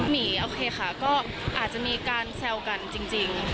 หมีโอเคค่ะก็อาจจะมีการแซวกันจริง